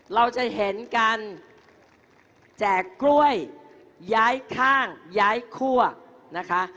เราจะเห็นการแจกกล้วยย้ายข้างย้ายคั่วนะคะ